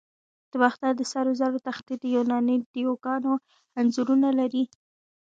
د باختر د سرو زرو تختې د یوناني دیوگانو انځورونه لري